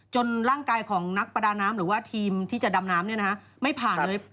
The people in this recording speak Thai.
ร่างกายของนักประดาน้ำหรือว่าทีมที่จะดำน้ำไม่ผ่านเลย